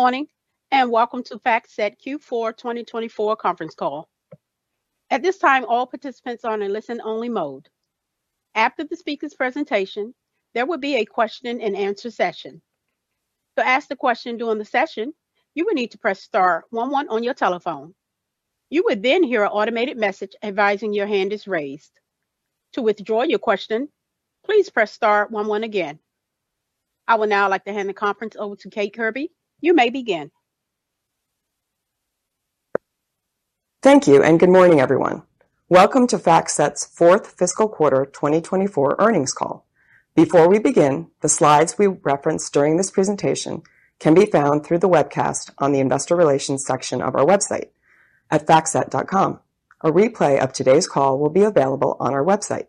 ...Good morning, and welcome to FactSet Q Four twenty twenty-four conference call. At this time, all participants are in listen-only mode. After the speaker's presentation, there will be a question-and-answer session. To ask the question during the session, you will need to press star one one on your telephone. You would then hear an automated message advising your hand is raised. To withdraw your question, please press star one one again. I would now like to hand the conference over to Kate Kirby. You may begin. Thank you, and good morning, everyone. Welcome to FactSet's fourth fiscal quarter twenty twenty-four earnings call. Before we begin, the slides we reference during this presentation can be found through the webcast on the Investor Relations section of our website at factset.com. A replay of today's call will be available on our website.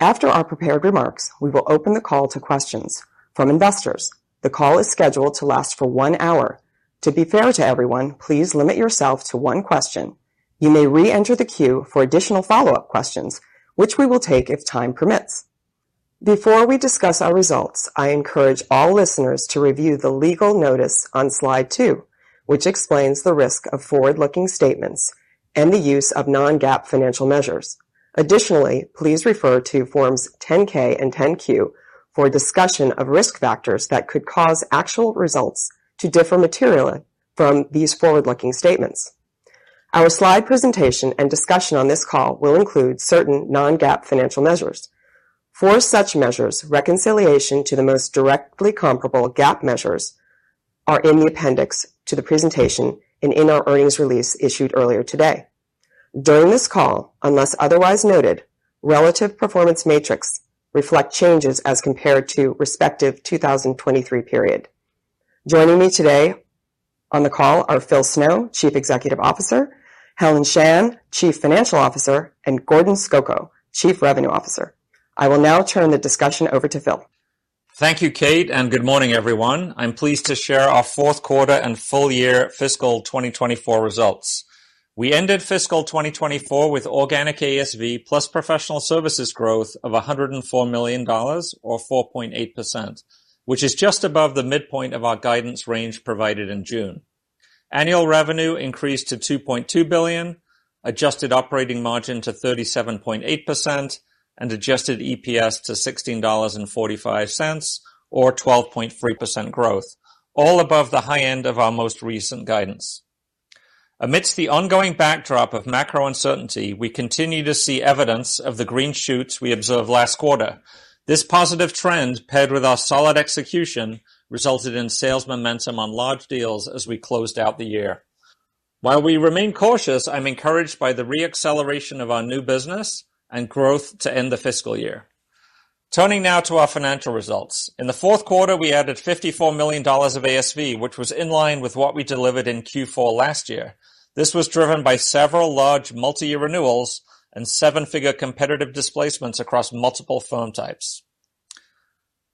After our prepared remarks, we will open the call to questions from investors. The call is scheduled to last for one hour. To be fair to everyone, please limit yourself to one question. You may re-enter the queue for additional follow-up questions, which we will take if time permits. Before we discuss our results, I encourage all listeners to review the legal notice on slide two, which explains the risk of forward-looking statements and the use of non-GAAP financial measures. Additionally, please refer to Forms 10-K and 10-Q for a discussion of risk factors that could cause actual results to differ materially from these forward-looking statements. Our slide presentation and discussion on this call will include certain non-GAAP financial measures. For such measures, reconciliation to the most directly comparable GAAP measures are in the appendix to the presentation and in our earnings release issued earlier today. During this call, unless otherwise noted, relative performance metrics reflect changes as compared to respective 2023 period. Joining me today on the call are Phil Snow, Chief Executive Officer, Helen Shan, Chief Financial Officer, and Goran Skoko, Chief Revenue Officer. I will now turn the discussion over to Phil. Thank you, Kate, and good morning, everyone. I'm pleased to share our fourth quarter and full year fiscal 2024 results. We ended fiscal 2024 with organic ASV plus professional services growth of $104 million or 4.8%, which is just above the midpoint of our guidance range provided in June. Annual revenue increased to $2.2 billion, adjusted operating margin to 37.8%, and adjusted EPS to $16.45 or 12.3% growth, all above the high end of our most recent guidance. Amidst the ongoing backdrop of macro uncertainty, we continue to see evidence of the green shoots we observed last quarter. This positive trend, paired with our solid execution, resulted in sales momentum on large deals as we closed out the year. While we remain cautious, I'm encouraged by the re-acceleration of our new business and growth to end the fiscal year. Turning now to our financial results. In the fourth quarter, we added $54 million of ASV, which was in line with what we delivered in Q4 last year. This was driven by several large multi-year renewals and seven-figure competitive displacements across multiple phone types.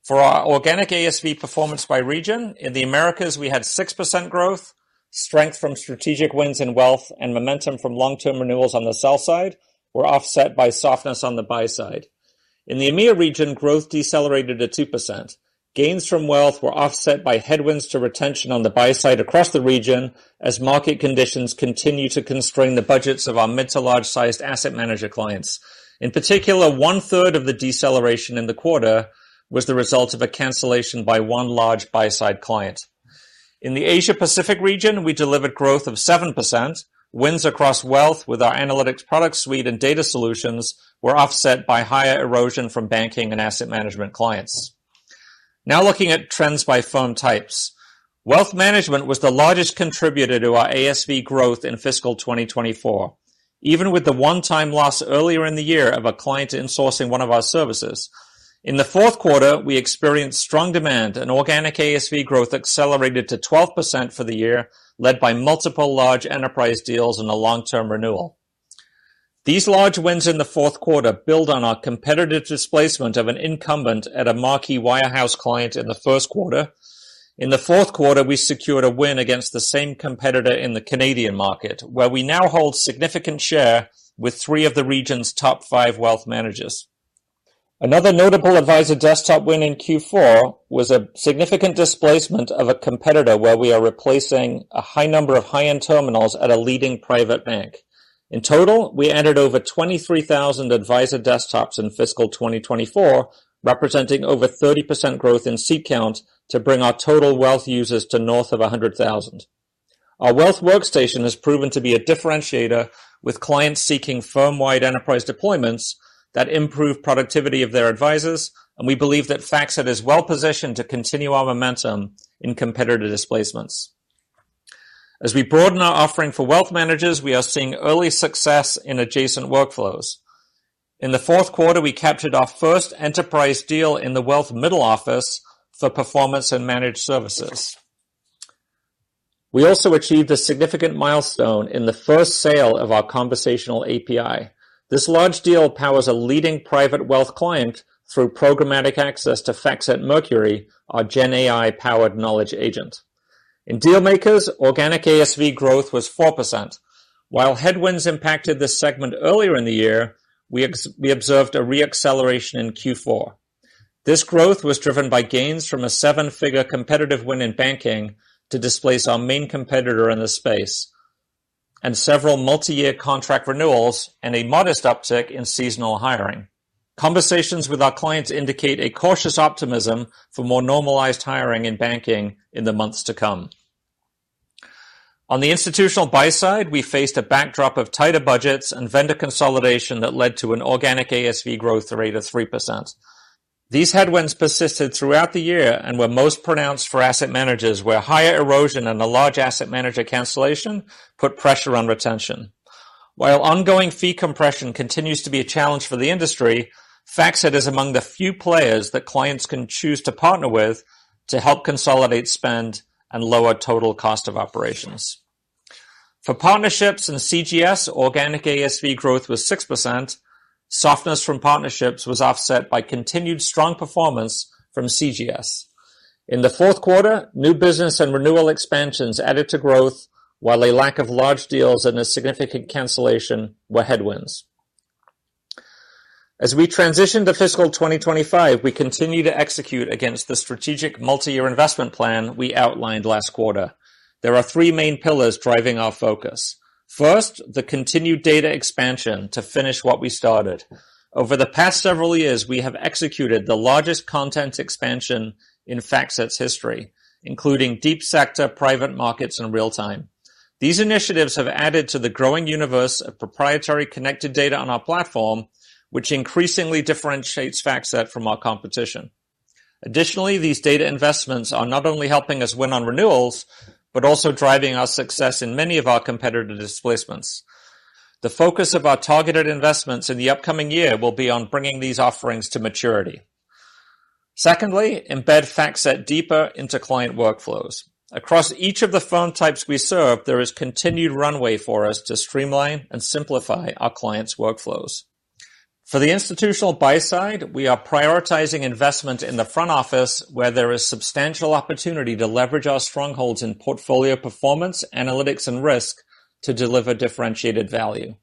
For our organic ASV performance by region, in the Americas, we had 6% growth, strength from strategic wins in wealth, and momentum from long-term renewals on the sell side were offset by softness on the buy side. In the EMEA region, growth decelerated to 2%. Gains from wealth were offset by headwinds to retention on the buy side across the region as market conditions continue to constrain the budgets of our mid- to large-sized asset manager clients. In particular, one-third of the deceleration in the quarter was the result of a cancellation by one large buy-side client. In the Asia Pacific region, we delivered growth of 7%. Wins across wealth with our analytics product suite and data solutions were offset by higher erosion from banking and asset management clients. Now looking at trends by firm types. Wealth management was the largest contributor to our ASV growth in fiscal 2024, even with the one-time loss earlier in the year of a client insourcing one of our services. In the fourth quarter, we experienced strong demand and organic ASV growth accelerated to 12% for the year, led by multiple large enterprise deals and a long-term renewal. These large wins in the fourth quarter build on our competitive displacement of an incumbent at a marquee wirehouse client in the first quarter. In the fourth quarter, we secured a win against the same competitor in the Canadian market, where we now hold significant share with three of the region's top five wealth managers. Another notable advisor desktop win in Q4 was a significant displacement of a competitor, where we are replacing a high number of high-end terminals at a leading private bank. In total, we entered over 23,000 advisor desktops in fiscal 2024, representing over 30% growth in seat count to bring our total wealth users to north of 100,000. Our Wealth Workstation has proven to be a differentiator with clients seeking firm-wide enterprise deployments that improve productivity of their advisors, and we believe that FactSet is well-positioned to continue our momentum in competitive displacements. As we broaden our offering for wealth managers, we are seeing early success in adjacent workflows. In the fourth quarter, we captured our first enterprise deal in the wealth middle office for performance and managed services. We also achieved a significant milestone in the first sale of our conversational API. This large deal powers a leading private wealth client through programmatic access to FactSet Mercury, our GenAI-powered knowledge agent. In dealmakers, organic ASV growth was 4%. While headwinds impacted this segment earlier in the year, we observed a re-acceleration in Q4. This growth was driven by gains from a seven-figure competitive win in banking to displace our main competitor in this space, and several multi-year contract renewals and a modest uptick in seasonal hiring. Conversations with our clients indicate a cautious optimism for more normalized hiring in banking in the months to come. On the institutional Buy Side, we faced a backdrop of tighter budgets and vendor consolidation that led to an organic ASV growth rate of 3%. These headwinds persisted throughout the year and were most pronounced for asset managers, where higher erosion and a large asset manager cancellation put pressure on retention. While ongoing fee compression continues to be a challenge for the industry, FactSet is among the few players that clients can choose to partner with to help consolidate spend and lower total cost of operations. For partnerships and CGS, organic ASV growth was 6%. Softness from partnerships was offset by continued strong performance from CGS. In the fourth quarter, new business and renewal expansions added to growth, while a lack of large deals and a significant cancellation were headwinds. As we transition to fiscal 2025, we continue to execute against the strategic multi-year investment plan we outlined last quarter. There are three main pillars driving our focus. First, the continued data expansion to finish what we started. Over the past several years, we have executed the largest content expansion in FactSet's history, including deep sector private markets in real time. These initiatives have added to the growing universe of proprietary connected data on our platform, which increasingly differentiates FactSet from our competition. Additionally, these data investments are not only helping us win on renewals, but also driving our success in many of our competitive displacements. The focus of our targeted investments in the upcoming year will be on bringing these offerings to maturity. Secondly, embed FactSet deeper into client workflows. Across each of the firm types we serve, there is continued runway for us to streamline and simplify our clients' workflows. For the institutional buy side, we are prioritizing investment in the front office, where there is substantial opportunity to leverage our strongholds in portfolio performance, analytics, and risk to deliver differentiated value.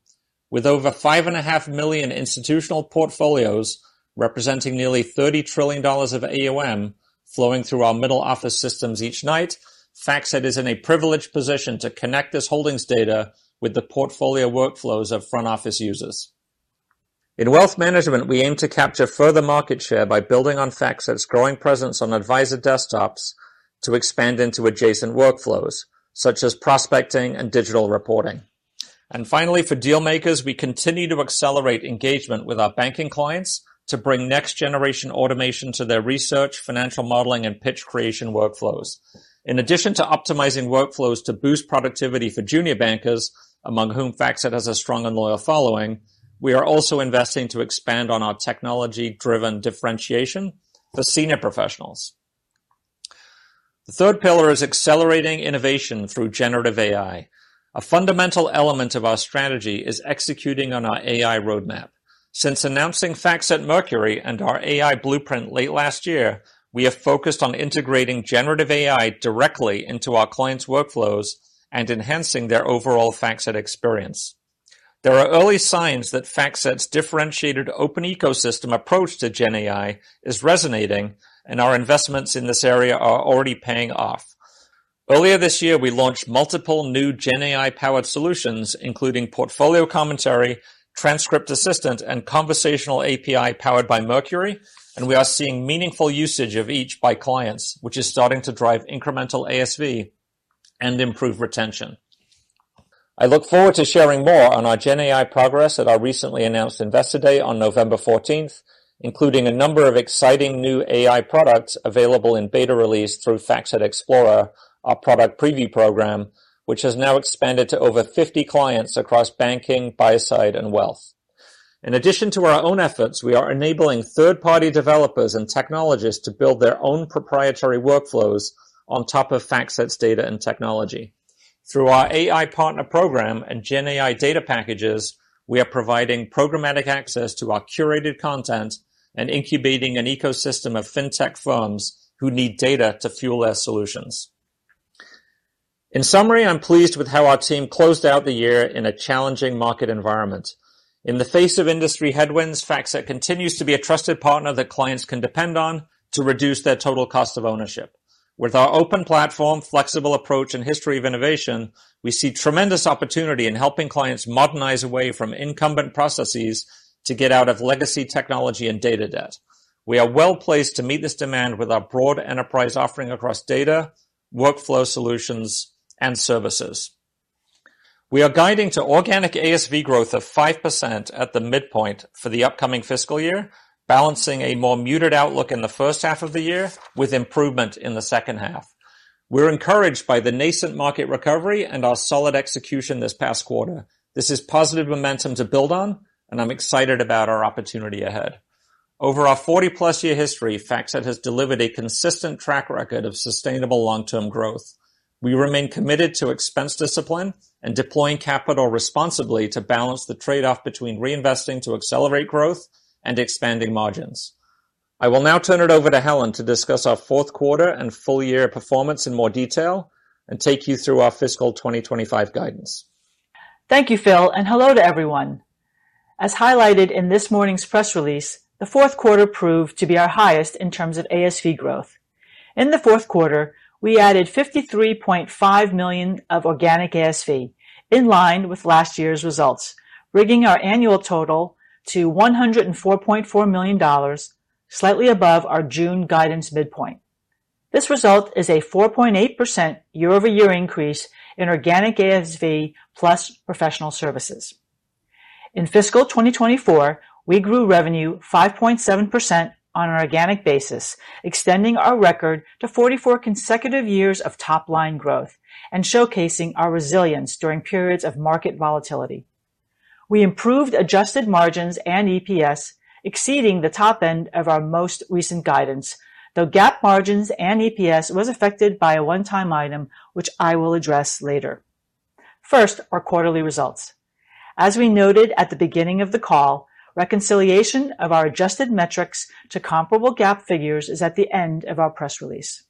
With over 5.5 million institutional portfolios, representing nearly $30 trillion of AUM flowing through our middle-office systems each night, FactSet is in a privileged position to connect this holdings data with the portfolio workflows of front-office users. In wealth management, we aim to capture further market share by building on FactSet's growing presence on advisor desktops to expand into adjacent workflows, such as prospecting and digital reporting. And finally, for dealmakers, we continue to accelerate engagement with our banking clients to bring next-generation automation to their research, financial modeling, and pitch creation workflows. In addition to optimizing workflows to boost productivity for junior bankers, among whom FactSet has a strong and loyal following, we are also investing to expand on our technology-driven differentiation for senior professionals. The third pillar is accelerating innovation through generative AI. A fundamental element of our strategy is executing on our AI roadmap. Since announcing FactSet Mercury and our AI blueprint late last year, we have focused on integrating generative AI directly into our clients' workflows and enhancing their overall FactSet experience. There are early signs that FactSet's differentiated open ecosystem approach to GenAI is resonating, and our investments in this area are already paying off. Earlier this year, we launched multiple new GenAI-powered solutions, including Portfolio Commentary, Transcript Assistant, and Conversational API powered by Mercury, and we are seeing meaningful usage of each by clients, which is starting to drive incremental ASV and improve retention. I look forward to sharing more on our GenAI progress at our recently announced Investor Day on November fourteenth, including a number of exciting new AI products available in beta release through FactSet Explorer, our product preview program, which has now expanded to over fifty clients across banking, buy side, and wealth. In addition to our own efforts, we are enabling third-party developers and technologists to build their own proprietary workflows on top of FactSet's data and technology. Through our AI partner program and GenAI data packages, we are providing programmatic access to our curated content and incubating an ecosystem of fintech firms who need data to fuel their solutions. In summary, I'm pleased with how our team closed out the year in a challenging market environment. In the face of industry headwinds, FactSet continues to be a trusted partner that clients can depend on to reduce their total cost of ownership. With our open platform, flexible approach, and history of innovation, we see tremendous opportunity in helping clients modernize away from incumbent processes to get out of legacy technology and data debt. We are well-placed to meet this demand with our broad enterprise offering across data, workflow solutions, and services. We are guiding to organic ASV growth of 5% at the midpoint for the upcoming fiscal year, balancing a more muted outlook in the first half of the year with improvement in the second half. We're encouraged by the nascent market recovery and our solid execution this past quarter. This is positive momentum to build on, and I'm excited about our opportunity ahead. Over our forty-plus year history, FactSet has delivered a consistent track record of sustainable long-term growth. We remain committed to expense discipline and deploying capital responsibly to balance the trade-off between reinvesting to accelerate growth and expanding margins. I will now turn it over to Helen to discuss our fourth quarter and full year performance in more detail and take you through our fiscal twenty twenty-five guidance. Thank you, Phil, and hello to everyone. As highlighted in this morning's press release, the fourth quarter proved to be our highest in terms of ASV growth. In the fourth quarter, we added $53.5 million of organic ASV, in line with last year's results, bringing our annual total to $104.4 million, slightly above our June guidance midpoint. This result is a 4.8% year-over-year increase in organic ASV plus professional services. In fiscal 2024, we grew revenue 5.7% on an organic basis, extending our record to 44 consecutive years of top-line growth and showcasing our resilience during periods of market volatility. We improved adjusted margins and EPS, exceeding the top end of our most recent guidance, though GAAP margins and EPS was affected by a one-time item, which I will address later. First, our quarterly results. As we noted at the beginning of the call, reconciliation of our adjusted metrics to comparable GAAP figures is at the end of our press release.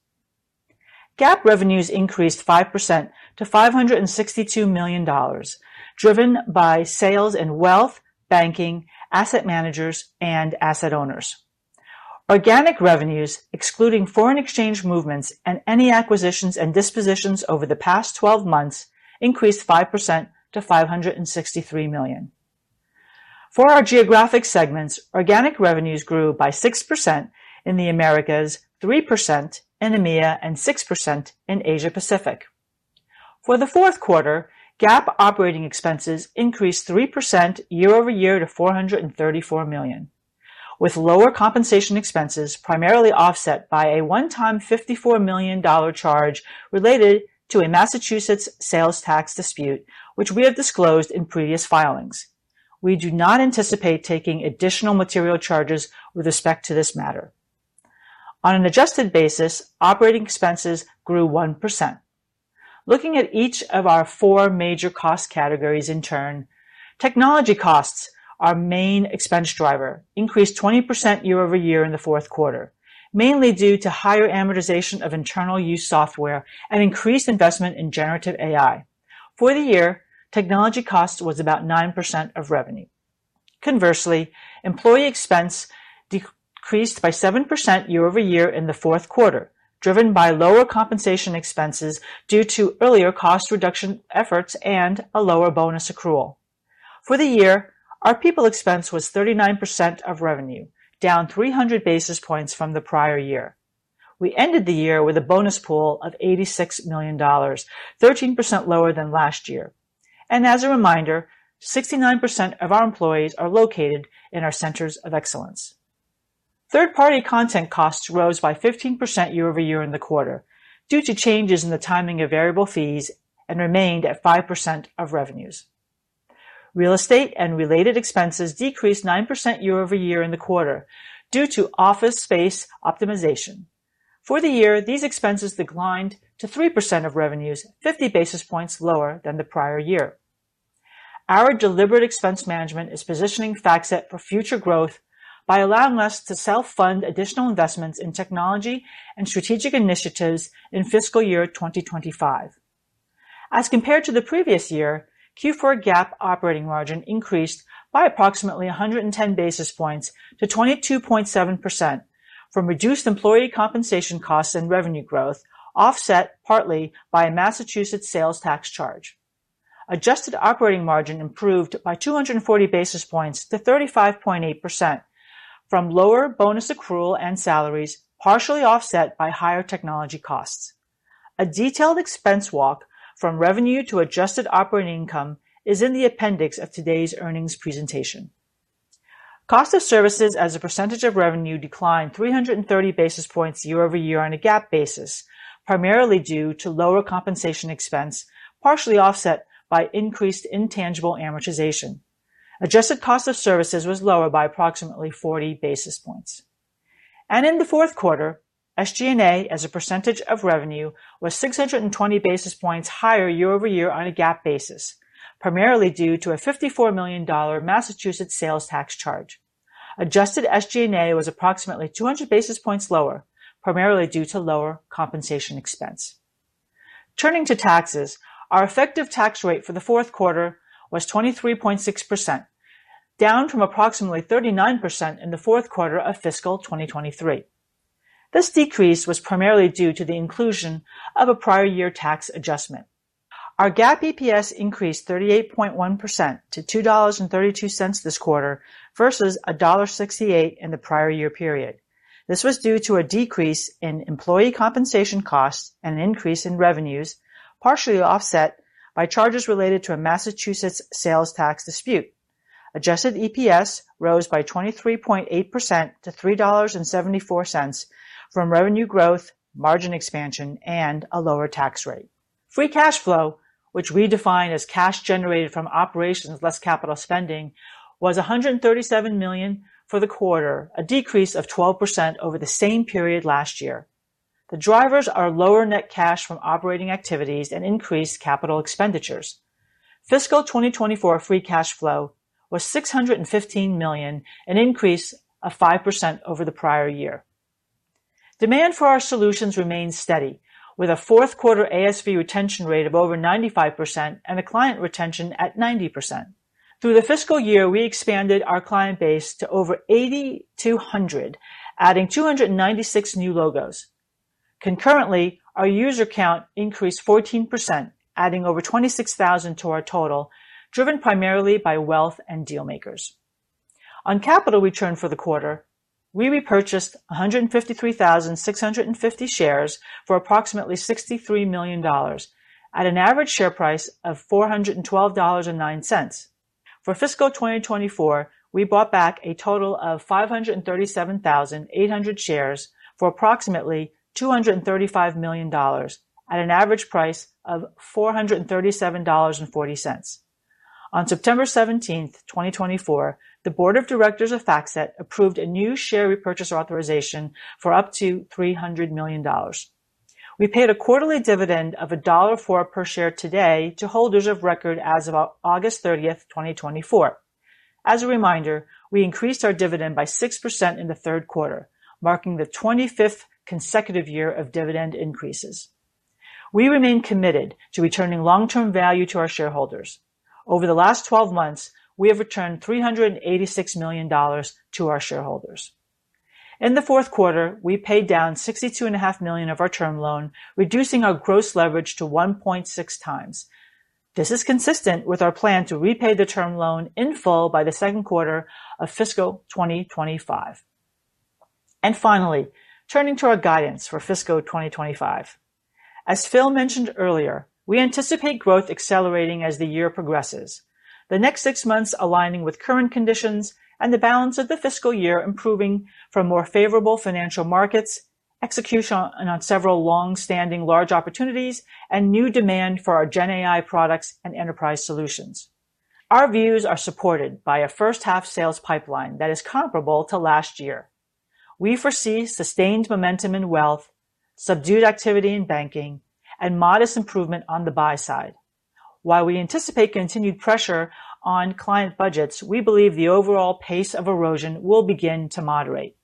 GAAP revenues increased 5% to $562 million, driven by sales in wealth, banking, asset managers, and asset owners. Organic revenues, excluding foreign exchange movements and any acquisitions and dispositions over the past twelve months, increased 5% to $563 million. For our geographic segments, organic revenues grew by 6% in the Americas, 3% in EMEA, and 6% in Asia Pacific. For the fourth quarter, GAAP operating expenses increased 3% year over year to $434 million, with lower compensation expenses, primarily offset by a one-time $54 million charge related to a Massachusetts sales tax dispute, which we have disclosed in previous filings. We do not anticipate taking additional material charges with respect to this matter. On an adjusted basis, operating expenses grew 1%. Looking at each of our four major cost categories in turn, technology costs, our main expense driver, increased 20% year over year in the fourth quarter, mainly due to higher amortization of internal use software and increased investment in generative AI. For the year, technology cost was about 9% of revenue. Conversely, employee expense decreased by 7% year over year in the fourth quarter, driven by lower compensation expenses due to earlier cost reduction efforts and a lower bonus accrual. For the year, our people expense was 39% of revenue, down 300 basis points from the prior year. We ended the year with a bonus pool of $86 million, 13% lower than last year. As a reminder, 69% of our employees are located in our centers of excellence. Third-party content costs rose by 15% year over year in the quarter due to changes in the timing of variable fees and remained at 5% of revenues. Real estate and related expenses decreased 9% year over year in the quarter due to office space optimization. For the year, these expenses declined to 3% of revenues, 50 basis points lower than the prior year. Our deliberate expense management is positioning FactSet for future growth by allowing us to self-fund additional investments in technology and strategic initiatives in fiscal year 2025. As compared to the previous year, Q4 GAAP operating margin increased by approximately 110 basis points to 22.7% from reduced employee compensation costs and revenue growth, offset partly by a Massachusetts sales tax charge. Adjusted operating margin improved by 240 basis points to 35.8% from lower bonus accrual and salaries, partially offset by higher technology costs. A detailed expense walk from revenue to adjusted operating income is in the appendix of today's earnings presentation. Cost of services as a percentage of revenue declined 330 basis points year over year on a GAAP basis, primarily due to lower compensation expense, partially offset by increased intangible amortization. Adjusted cost of services was lower by approximately 40 basis points. And in the fourth quarter, SG&A, as a percentage of revenue, was 620 basis points higher year over year on a GAAP basis, primarily due to a $54 million Massachusetts sales tax charge. Adjusted SG&A was approximately 200 basis points lower, primarily due to lower compensation expense. Turning to taxes, our effective tax rate for the fourth quarter was 23.6%, down from approximately 39% in the fourth quarter of fiscal 2023. This decrease was primarily due to the inclusion of a prior year tax adjustment. Our GAAP EPS increased 38.1% to $2.32 this quarter versus $1.68 in the prior year period. This was due to a decrease in employee compensation costs and an increase in revenues, partially offset by charges related to a Massachusetts sales tax dispute. Adjusted EPS rose by 23.8% to $3.74 from revenue growth, margin expansion, and a lower tax rate. Free cash flow, which we define as cash generated from operations less capital spending, was $137 million for the quarter, a decrease of 12% over the same period last year. The drivers are lower net cash from operating activities and increased capital expenditures. Fiscal 2024 free cash flow was $615 million, an increase of 5% over the prior year. Demand for our solutions remained steady, with a fourth quarter ASV retention rate of over 95% and a client retention at 90%. Through the fiscal year, we expanded our client base to over 8,200, adding 296 new logos. Concurrently, our user count increased 14%, adding over 26,000 to our total, driven primarily by wealth and dealmakers. On capital return for the quarter, we repurchased 153,650 shares for approximately $63 million, at an average share price of $412.09. For fiscal 2024, we bought back a total of 537,800 shares for approximately $235 million at an average price of $437.40. On September 17, 2024, the board of directors of FactSet approved a new share repurchase authorization for up to $300 million. We paid a quarterly dividend of $1.04 per share today to holders of record as of August 30, 2024. As a reminder, we increased our dividend by 6% in the third quarter, marking the 25th consecutive year of dividend increases. We remain committed to returning long-term value to our shareholders. Over the last twelve months, we have returned $386 million to our shareholders. In the fourth quarter, we paid down $62.5 million of our term loan, reducing our gross leverage to 1.6 times. This is consistent with our plan to repay the term loan in full by the second quarter of fiscal 2025. Finally, turning to our guidance for fiscal 2025. As Phil mentioned earlier, we anticipate growth accelerating as the year progresses. The next six months, aligning with current conditions and the balance of the fiscal year improving from more favorable financial markets, execution on several long-standing large opportunities, and new demand for our GenAI products and enterprise solutions. Our views are supported by a first-half sales pipeline that is comparable to last year. We foresee sustained momentum in wealth, subdued activity in banking, and modest improvement on the buy side. While we anticipate continued pressure on client budgets, we believe the overall pace of erosion will begin to moderate.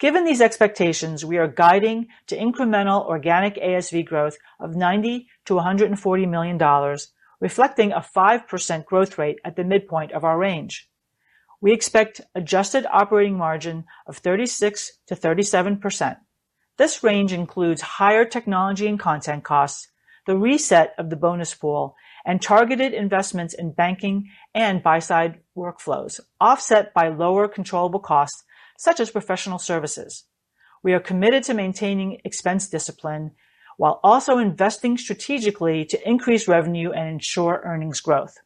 Given these expectations, we are guiding to incremental organic ASV growth of $90-$140 million, reflecting a 5% growth rate at the midpoint of our range. We expect adjusted operating margin of 36%-37%. This range includes higher technology and content costs, the reset of the bonus pool, and targeted investments in banking and buy-side workflows, offset by lower controllable costs, such as professional services. We are committed to maintaining expense discipline while also investing strategically to increase revenue and ensure earnings growth.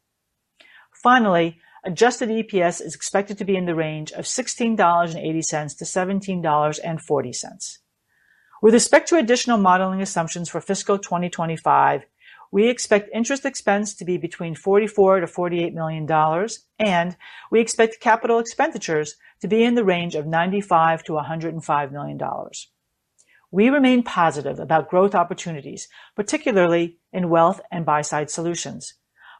Finally, adjusted EPS is expected to be in the range of $16.80-$17.40. With respect to additional modeling assumptions for fiscal 2025, we expect interest expense to be between $44-$48 million, and we expect capital expenditures to be in the range of $95-$105 million. We remain positive about growth opportunities, particularly in wealth and buy-side solutions.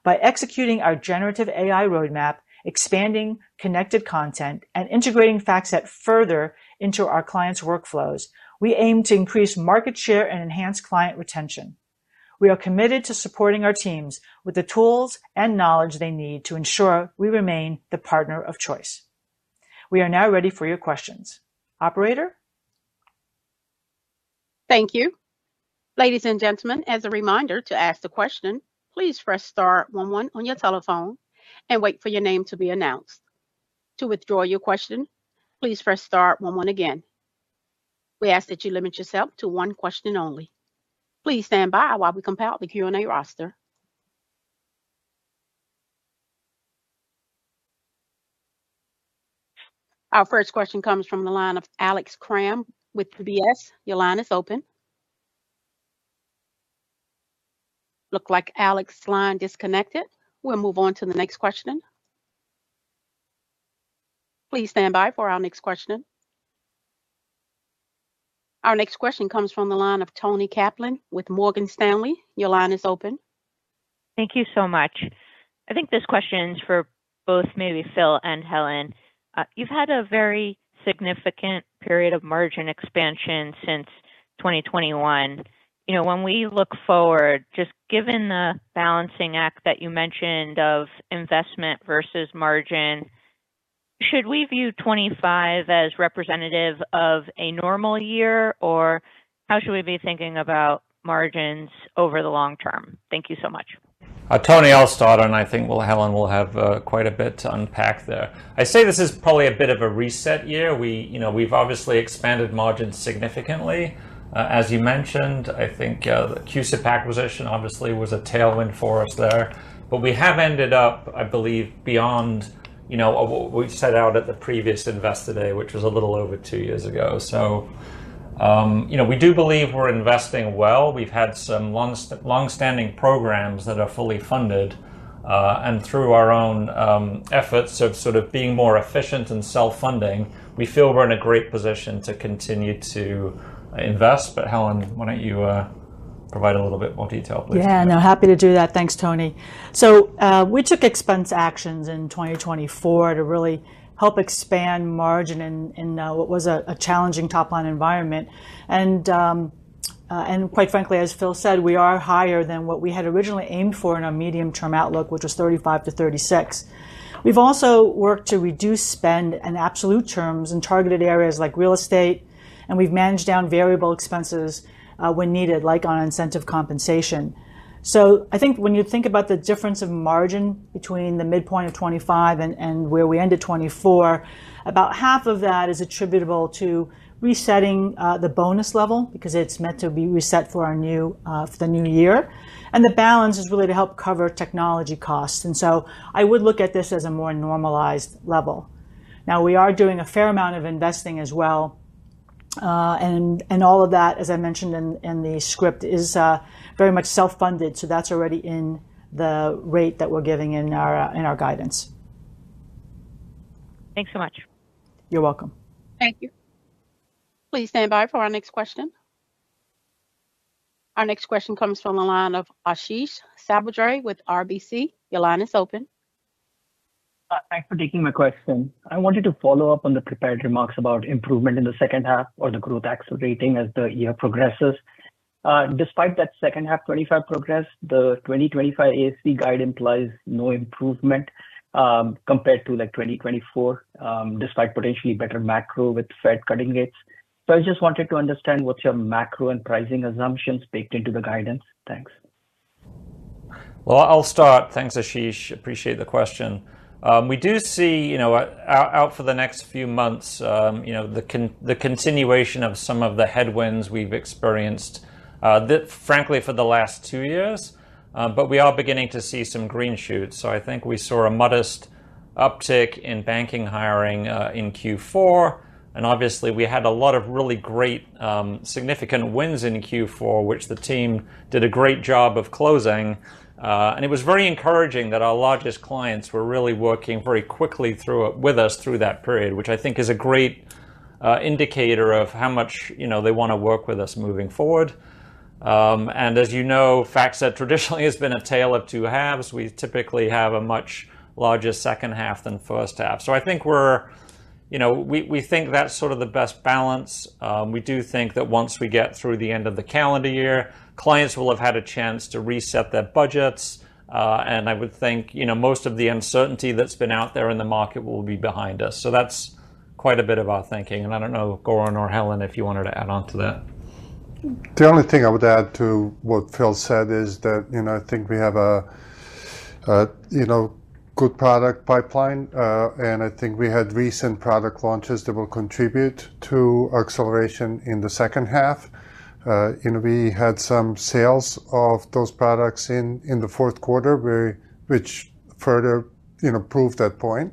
By executing our generative AI roadmap, expanding connected content, and integrating FactSet further into our clients' workflows, we aim to increase market share and enhance client retention. We are committed to supporting our teams with the tools and knowledge they need to ensure we remain the partner of choice. We are now ready for your questions. Operator? Thank you. Ladies and gentlemen, as a reminder, to ask the question, please press star one one on your telephone and wait for your name to be announced. To withdraw your question, please press star one one again. We ask that you limit yourself to one question only. Please stand by while we compile the Q&A roster. Our first question comes from the line of Alex Kramm with UBS. Your line is open. Looks like Alex's line disconnected. We'll move on to the next question. Please stand by for our next question. Our next question comes from the line of Toni Kaplan with Morgan Stanley. Your line is open. Thank you so much. I think this question is for both maybe Phil and Helen. You've had a very significant period of margin expansion since 2021. You know, when we look forward, just given the balancing act that you mentioned of investment versus margin, should we view 2025 as representative of a normal year, or how should we be thinking about margins over the long term? Thank you so much. Toni, I'll start, and I think, well, Helen will have quite a bit to unpack there. I say this is probably a bit of a reset year. We, you know, we've obviously expanded margins significantly. As you mentioned, I think, the CUSIP acquisition obviously was a tailwind for us there. But we have ended up, I believe, beyond, you know, what we set out at the previous Investor Day, which was a little over two years ago. So, you know, we do believe we're investing well. We've had some long-standing programs that are fully funded, and through our own efforts of sort of being more efficient and self-funding, we feel we're in a great position to continue to invest. But, Helen, why don't you... provide a little bit more detail, please? Yeah, no, happy to do that. Thanks, Tony. So, we took expense actions in 2024 to really help expand margin in what was a challenging top-line environment. And, and quite frankly, as Phil said, we are higher than what we had originally aimed for in our medium-term outlook, which was 35%-36%. We've also worked to reduce spend in absolute terms in targeted areas like real estate, and we've managed down variable expenses when needed, like on incentive compensation. So I think when you think about the difference of margin between the midpoint of 2025 and where we ended 2024, about half of that is attributable to resetting the bonus level because it's meant to be reset for the new year, and the balance is really to help cover technology costs. And so I would look at this as a more normalized level. Now, we are doing a fair amount of investing as well, and all of that, as I mentioned in the script, is very much self-funded, so that's already in the rate that we're giving in our guidance. Thanks so much. You're welcome. Thank you. Please stand by for our next question. Our next question comes from the line of Ashish Sabadra with RBC. Your line is open. Thanks for taking my question. I wanted to follow up on the prepared remarks about improvement in the second half or the growth accelerating as the year progresses. Despite that second half twenty-five progress, the twenty twenty-five ASV guide implies no improvement, compared to, like, twenty twenty-four, despite potentially better macro with Fed cutting rates. So I just wanted to understand, what's your macro and pricing assumptions baked into the guidance? Thanks. I'll start. Thanks, Ashish. Appreciate the question. We do see, you know, out for the next few months, you know, the continuation of some of the headwinds we've experienced, frankly, for the last two years. But we are beginning to see some green shoots. I think we saw a modest uptick in banking hiring in Q4, and obviously, we had a lot of really great significant wins in Q4, which the team did a great job of closing. And it was very encouraging that our largest clients were really working very quickly with us through that period, which I think is a great indicator of how much, you know, they want to work with us moving forward. And as you know, FactSet traditionally has been a tale of two halves. We typically have a much larger second half than first half. So I think we're... You know, we think that's sort of the best balance. We do think that once we get through the end of the calendar year, clients will have had a chance to reset their budgets, and I would think, you know, most of the uncertainty that's been out there in the market will be behind us. So that's quite a bit of our thinking, and I don't know, Goran or Helen, if you wanted to add on to that. The only thing I would add to what Phil said is that, you know, I think we have a good product pipeline, and I think we had recent product launches that will contribute to acceleration in the second half. You know, we had some sales of those products in the fourth quarter, which further proved that point.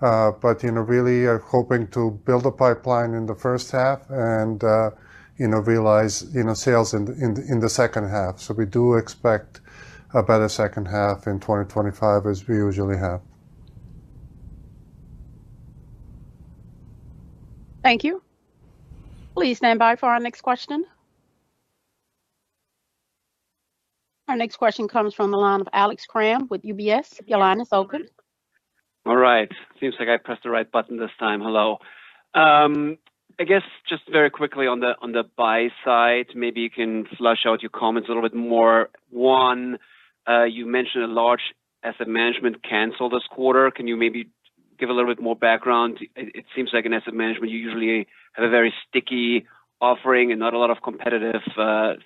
But, you know, really are hoping to build a pipeline in the first half and, you know, realize sales in the second half. So we do expect a better second half in twenty twenty-five, as we usually have. Thank you. Please stand by for our next question. Our next question comes from the line of Alex Kramm with UBS. Your line is open. All right. Seems like I pressed the right button this time. Hello. I guess just very quickly on the, on the buy side, maybe you can flesh out your comments a little bit more. One, you mentioned a large asset management cancellation this quarter. Can you maybe give a little bit more background? It seems like in asset management, you usually have a very sticky offering and not a lot of competitive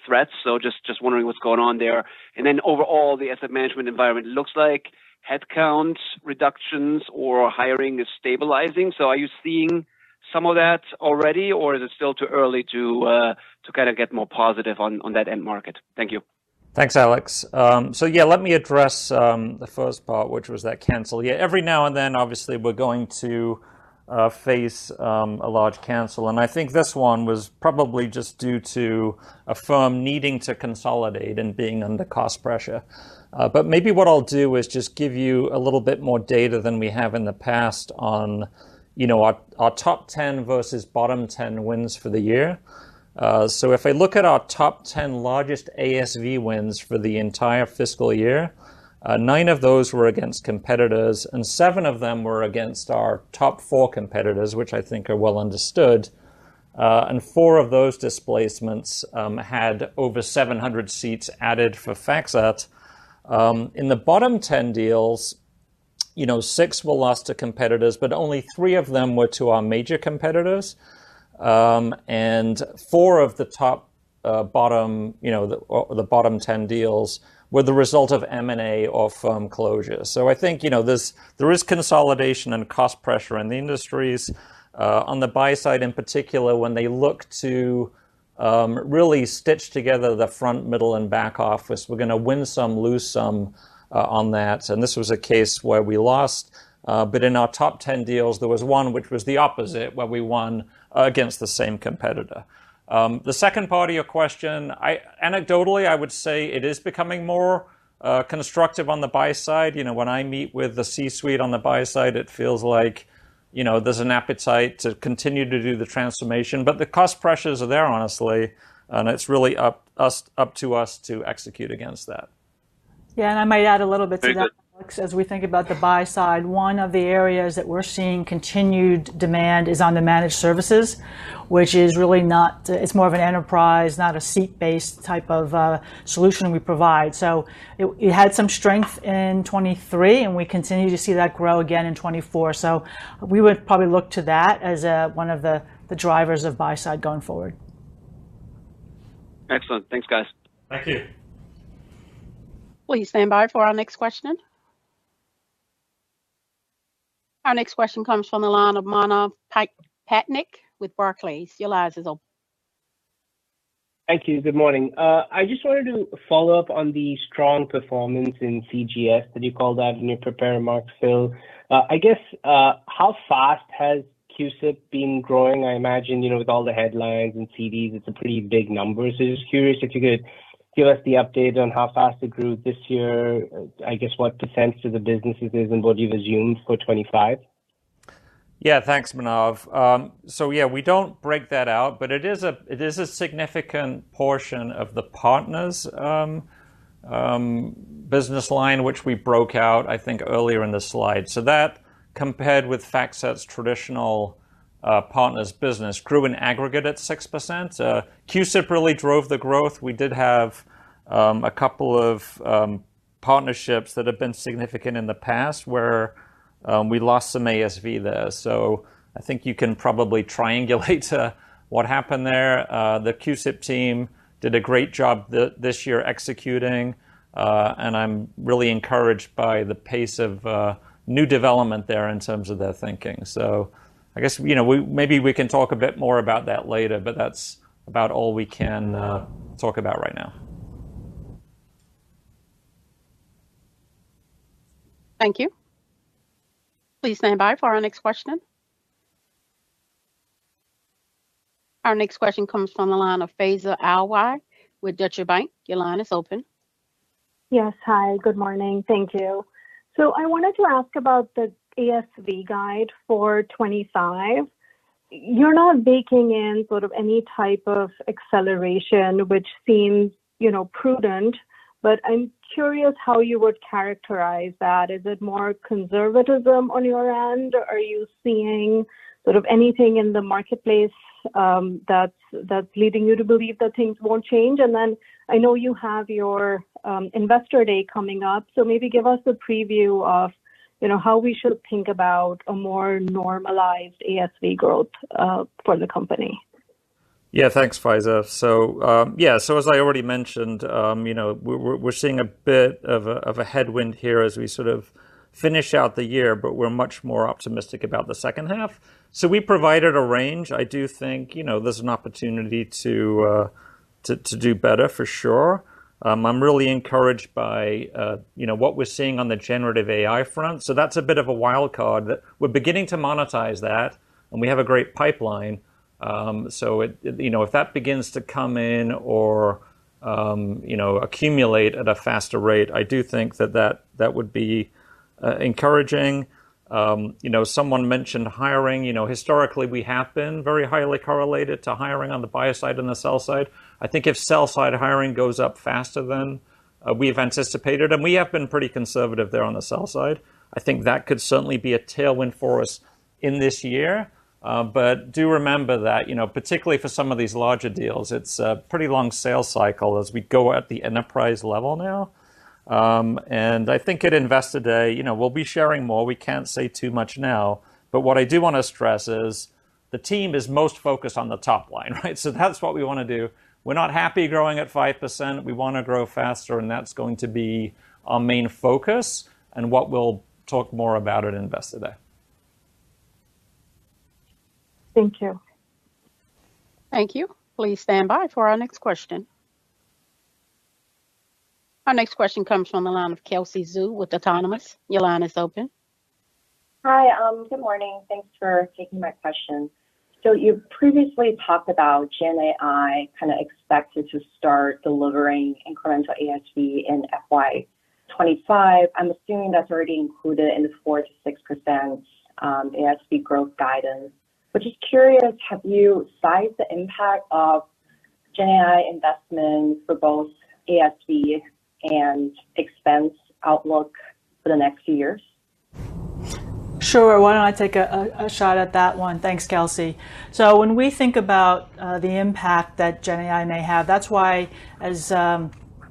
threats, so just, just wondering what's going on there. And then overall, the asset management environment looks like headcount reductions or hiring is stabilizing. So are you seeing some of that already, or is it still too early to kind of get more positive on, on that end market? Thank you. Thanks, Alex. So yeah, let me address the first part, which was that cancel. Yeah, every now and then, obviously, we're going to face a large cancel, and I think this one was probably just due to a firm needing to consolidate and being under cost pressure. But maybe what I'll do is just give you a little bit more data than we have in the past on, you know, our top ten versus bottom ten wins for the year. So if I look at our top ten largest ASV wins for the entire fiscal year, nine of those were against competitors, and seven of them were against our top four competitors, which I think are well understood. And four of those displacements had over seven hundred seats added for FactSet. In the bottom 10 deals, you know, six were lost to competitors, but only three of them were to our major competitors, and four of the top, bottom, you know, or the bottom 10 deals were the result of M&A or firm closures, so I think, you know, there is consolidation and cost pressure in the industries. On the buy side, in particular, when they look to really stitch together the front, middle, and back office, we're gonna win some, lose some on that, and this was a case where we lost, but in our top 10 deals, there was one which was the opposite, where we won against the same competitor. The second part of your question, anecdotally, I would say it is becoming more constructive on the buy side. You know, when I meet with the C-suite on the buy side, it feels like, you know, there's an appetite to continue to do the transformation. But the cost pressures are there, honestly, and it's really up to us to execute against that.... Yeah, and I might add a little bit to that, Alex. As we think about the buy side, one of the areas that we're seeing continued demand is on the managed services, which is really not. It's more of an enterprise, not a seat-based type of solution we provide. So it had some strength in 2023, and we continue to see that grow again in 2024. So we would probably look to that as one of the drivers of buy side going forward. Excellent. Thanks, guys. Thank you. Please stand by for our next question. Our next question comes from the line of Manav Patnaik with Barclays. Your line is open. Thank you. Good morning. I just wanted to follow up on the strong performance in CGS that you called out in your prepared remarks, Phil. I guess, how fast has CUSIP been growing? I imagine, you know, with all the headlines and CDs, it's a pretty big number. So just curious if you could give us the update on how fast it grew this year, I guess, what % of the business it is, and what you've assumed for 2025. Yeah, thanks, Manav. So yeah, we don't break that out, but it is a, it is a significant portion of the partners', business line, which we broke out, I think, earlier in the slide. So that, compared with FactSet's traditional partners' business, grew in aggregate at 6%. CUSIP really drove the growth. We did have, a couple of, partnerships that have been significant in the past where, we lost some ASV there. So I think you can probably triangulate, what happened there. The CUSIP team did a great job this year executing, and I'm really encouraged by the pace of, new development there in terms of their thinking. So I guess, you know, we maybe we can talk a bit more about that later, but that's about all we can, talk about right now. Thank you. Please stand by for our next question. Our next question comes from the line of Faiza Alwy with Deutsche Bank. Your line is open. Yes. Hi, good morning. Thank you. So I wanted to ask about the ASV guide for 2025. You're not baking in sort of any type of acceleration, which seems, you know, prudent, but I'm curious how you would characterize that. Is it more conservatism on your end, or are you seeing sort of anything in the marketplace that's leading you to believe that things won't change? And then, I know you have your investor day coming up, so maybe give us a preview of, you know, how we should think about a more normalized ASV growth for the company. Yeah, thanks, Faiza. So, yeah, so as I already mentioned, you know, we're seeing a bit of a headwind here as we sort of finish out the year, but we're much more optimistic about the second half. So we provided a range. I do think, you know, there's an opportunity to do better, for sure. I'm really encouraged by, you know, what we're seeing on the Generative AI front. So that's a bit of a wild card that we're beginning to monetize that, and we have a great pipeline. So it, you know, if that begins to come in or, you know, accumulate at a faster rate, I do think that would be encouraging. You know, someone mentioned hiring. You know, historically, we have been very highly correlated to hiring on the buy side and the sell side. I think if sell side hiring goes up faster than we've anticipated, and we have been pretty conservative there on the sell side, I think that could certainly be a tailwind for us in this year. But do remember that, you know, particularly for some of these larger deals, it's a pretty long sales cycle as we go at the enterprise level now. And I think at Investor Day, you know, we'll be sharing more. We can't say too much now, but what I do wanna stress is the team is most focused on the top line, right? So that's what we wanna do. We're not happy growing at 5%. We wanna grow faster, and that's going to be our main focus and what we'll talk more about at Investor Day. Thank you. Thank you. Please stand by for our next question. Our next question comes from the line of Kelsey Zhu with Autonomous Research. Your line is open. Hi. Good morning. Thanks for taking my question. So you previously talked about GenAI kind of expected to start delivering incremental ASV in FY 2025. I'm assuming that's already included in the 4%-6% ASV growth guidance. But just curious, have you sized the impact of GenAI investments for both ASV and expense outlook for the next few years? Sure, why don't I take a shot at that one? Thanks, Kelsey, so when we think about the impact that GenAI may have, that's why, as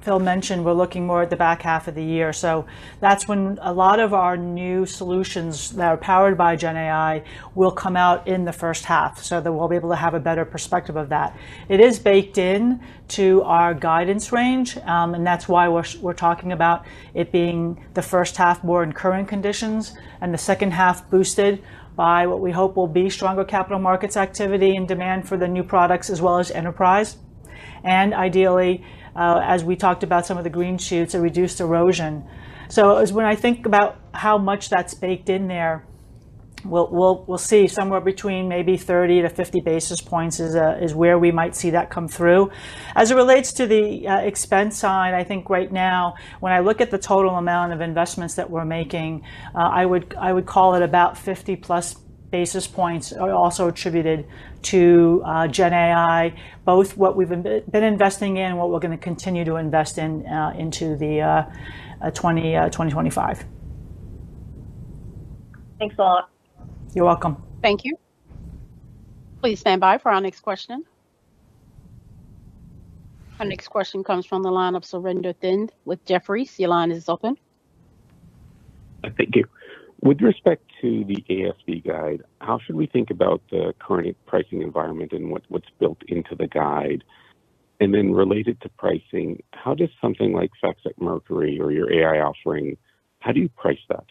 Phil mentioned, we're looking more at the back half of the year, so that's when a lot of our new solutions that are powered by GenAI will come out in the first half, so that we'll be able to have a better perspective of that. It is baked into our guidance range, and that's why we're talking about it being the first half more in current conditions, and the second half boosted by what we hope will be stronger capital markets activity and demand for the new products, as well as enterprise, and ideally, as we talked about some of the green shoots, a reduced erosion. So as when I think about how much that's baked in there, we'll see somewhere between maybe 30 to 50 basis points is where we might see that come through. As it relates to the expense side, I think right now, when I look at the total amount of investments that we're making, I would call it about 50 plus basis points are also attributed to GenAI, both what we've been investing in and what we're gonna continue to invest in into 2025. Thanks a lot. You're welcome. Thank you. Please stand by for our next question. Our next question comes from the line of Surinder Thind with Jefferies. Your line is open. Thank you. With respect to the ASV guide, how should we think about the current pricing environment and what's built into the guide? And then related to pricing, how does something like FactSet Mercury or your AI offering, how do you price that?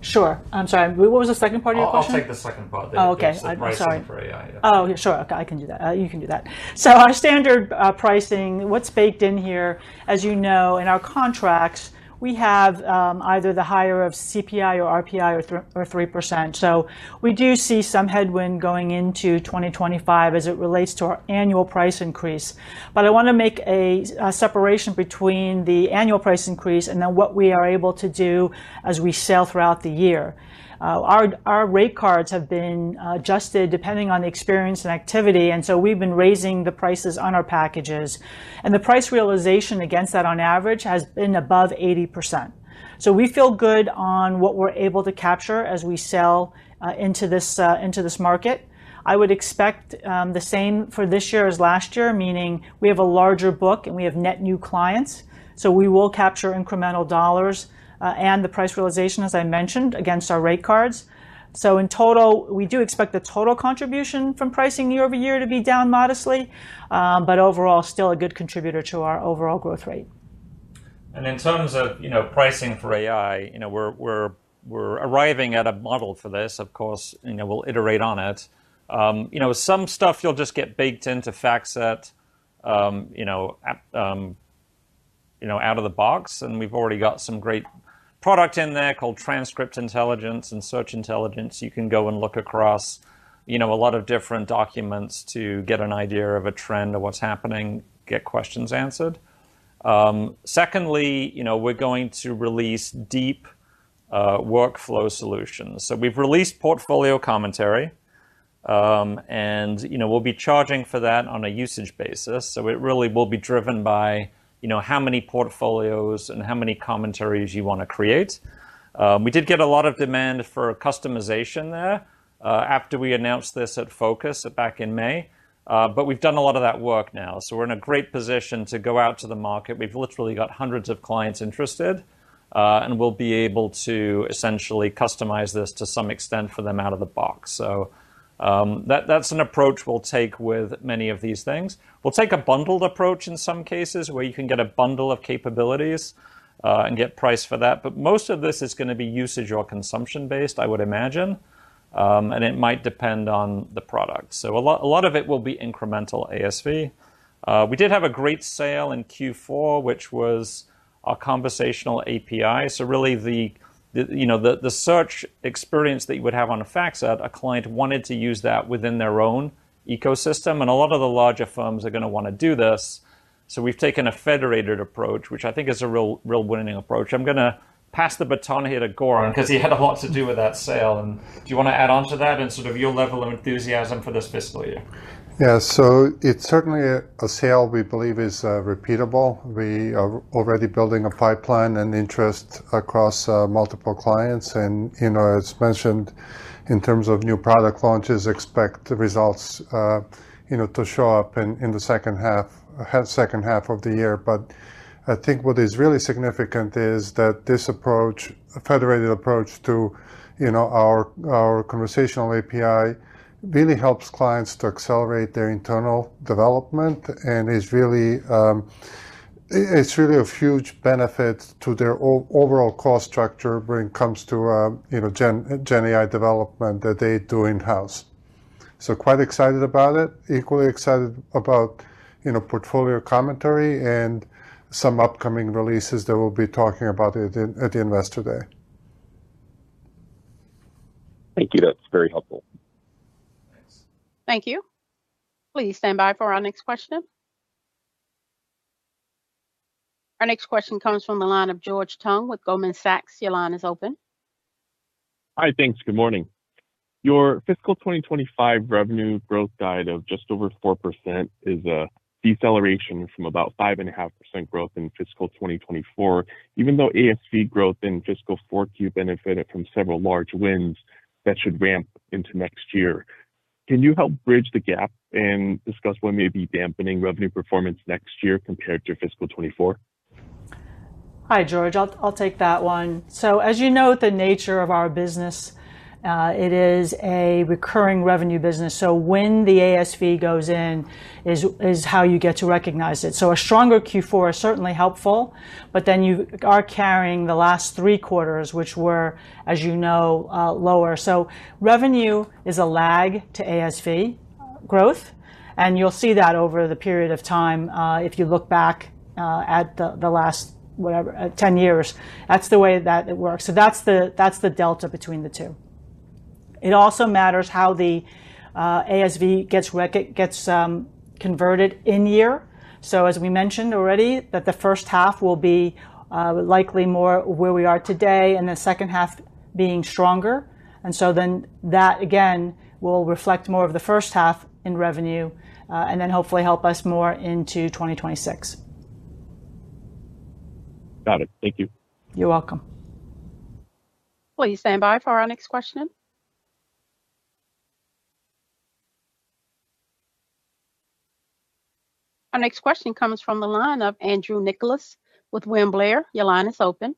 Sure. I'm sorry, what was the second part of your question? I'll take the second part- Okay. The pricing for AI. Oh, sure. I can do that. You can do that, so our standard pricing, what's baked in here, as you know, in our contracts, we have either the higher of CPI or RPI or 3%, so we do see some headwind going into 2025 as it relates to our annual price increase, but I wanna make a separation between the annual price increase and then what we are able to do as we sell throughout the year. Our rate cards have been adjusted depending on the experience and activity, and so we've been raising the prices on our packages, and the price realization against that on average has been above 80%, so we feel good on what we're able to capture as we sell into this market. I would expect the same for this year as last year, meaning we have a larger book, and we have net new clients, so we will capture incremental dollars, and the price realization, as I mentioned, against our rate cards. So in total, we do expect the total contribution from pricing year over year to be down modestly, but overall, still a good contributor to our overall growth rate. In terms of, you know, pricing for AI, you know, we're arriving at a model for this, of course, and then we'll iterate on it. You know, some stuff you'll just get baked into FactSet, you know, at you know, out of the box, and we've already got some great product in there called Transcript Intelligence and Search Intelligence. You can go and look across, you know, a lot of different documents to get an idea of a trend of what's happening, get questions answered. Secondly, you know, we're going to release deep workflow solutions. So we've released Portfolio Commentary, and you know, we'll be charging for that on a usage basis. So it really will be driven by, you know, how many portfolios and how many commentaries you wanna create. We did get a lot of demand for customization there, after we announced this at Focus back in May, but we've done a lot of that work now. So we're in a great position to go out to the market. We've literally got hundreds of clients interested, and we'll be able to essentially customize this to some extent for them out of the box. So, that's an approach we'll take with many of these things. We'll take a bundled approach in some cases, where you can get a bundle of capabilities, and get priced for that. But most of this is gonna be usage or consumption-based, I would imagine, and it might depend on the product. So a lot, a lot of it will be incremental ASV. We did have a great sale in Q4, which was a Conversational API. So really, you know, the search experience that you would have on a FactSet. A client wanted to use that within their own ecosystem, and a lot of the larger firms are gonna wanna do this. So we've taken a federated approach, which I think is a real, real winning approach. I'm gonna pass the baton here to Goran, 'cause he had a lot to do with that sale. And do you wanna add on to that and sort of your level of enthusiasm for this fiscal year? Yeah. So it's certainly a sale we believe is repeatable. We are already building a pipeline and interest across multiple clients. And, you know, as mentioned, in terms of new product launches, expect the results, you know, to show up in the second half of the year. But I think what is really significant is that this approach, a federated approach to, you know, our conversational API, really helps clients to accelerate their internal development and is really it's really a huge benefit to their overall cost structure when it comes to, you know, GenAI development that they do in-house. So quite excited about it. Equally excited about, you know, portfolio commentary and some upcoming releases that we'll be talking about at the Investor Day. Thank you. That's very helpful. Thanks. Thank you. Please stand by for our next question. Our next question comes from the line of George Tong with Goldman Sachs. Your line is open. Hi, thanks. Good morning. Your fiscal 2025 revenue growth guide of just over 4% is a deceleration from about 5.5% growth in fiscal 2024, even though ASV growth in fiscal 4Q benefited from several large wins that should ramp into next year. Can you help bridge the gap and discuss what may be dampening revenue performance next year compared to fiscal 2024? Hi, George. I'll take that one. So as you know, the nature of our business, it is a recurring revenue business, so when the ASV goes in is how you get to recognize it. So a stronger Q4 is certainly helpful, but then you are carrying the last three quarters, which were, as you know, lower. So revenue is a lag to ASV growth, and you'll see that over the period of time, if you look back at the last whatever ten years. That's the way that it works. So that's the delta between the two. It also matters how the ASV gets converted in year. So as we mentioned already, that the first half will be likely more where we are today, and the second half being stronger. And so then that, again, will reflect more of the first half in revenue, and then hopefully help us more into 2026. Got it. Thank you. You're welcome. Please stand by for our next question. Our next question comes from the line of Andrew Nicholas with William Blair. Your line is open.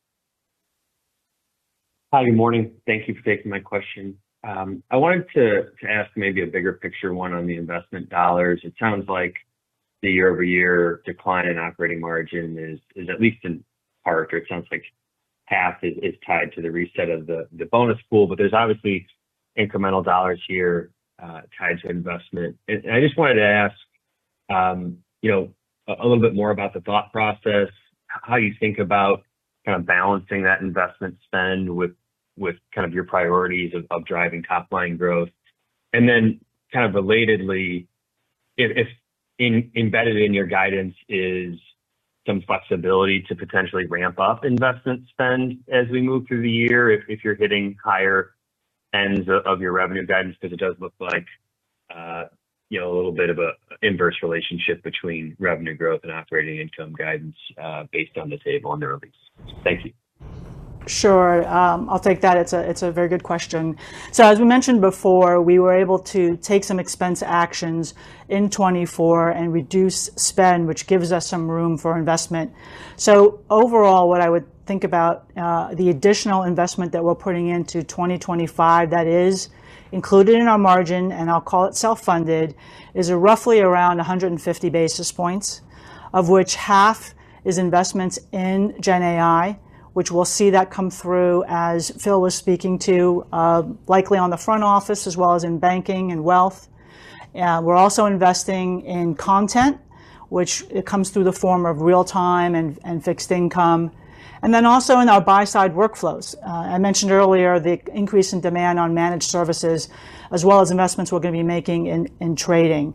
Hi, good morning. Thank you for taking my question. I wanted to ask maybe a bigger picture one on the investment dollars. It sounds like the year-over-year decline in operating margin is at least in part, or it sounds like half is tied to the reset of the bonus pool, but there's obviously incremental dollars here tied to investment. And I just wanted to ask you know a little bit more about the thought process, how you think about kind of balancing that investment spend with kind of your priorities of driving top line growth. And then kind of relatedly, if embedded in your guidance is some flexibility to potentially ramp up investment spend as we move through the year, if you're hitting higher ends of your revenue guidance, because it does look like, you know, a little bit of an inverse relationship between revenue growth and operating income guidance, based on the table in the release. Thank you. Sure. I'll take that. It's a, it's a very good question. So as we mentioned before, we were able to take some expense actions in 2024 and reduce spend, which gives us some room for investment. So overall, what I would think about, the additional investment that we're putting into 2025, that is included in our margin, and I'll call it self-funded, is roughly around 100 basis points, of which half is investments in GenAI, which we'll see that come through, as Phil was speaking to, likely on the front office as well as in banking and wealth. We're also investing in content, which it comes through the form of real time and fixed income, and then also in our buy side workflows. I mentioned earlier the increase in demand on managed services, as well as investments we're gonna be making in trading.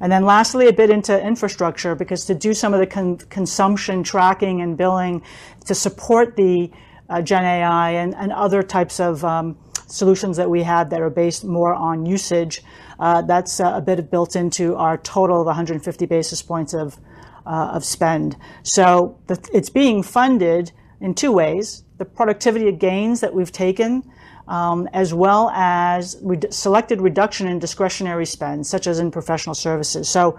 And then lastly, a bit into infrastructure, because to do some of the consumption, tracking and billing to support the GenAI and other types of solutions that we have that are based more on usage, that's a bit built into our total of 150 basis points of spend. So it's being funded in two ways, the productivity gains that we've taken, as well as selected reduction in discretionary spend, such as in professional services. So